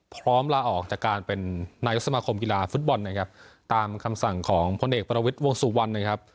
ลาออกจากการเป็นนายกสมาคมกีฬาฟุตบอลนะครับตามคำสั่งของพลเอกประวิทย์วงสุวรรณนะครับ